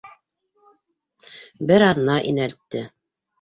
Бер аҙна инәлтте.